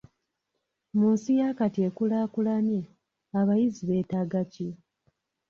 Mu nsi yakati ekulaakulanye, abayizi beetaaga ki?